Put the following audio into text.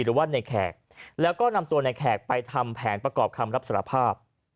หรือว่าในแขกแล้วก็นำตัวในแขกไปทำแผนประกอบคำรับสารภาพ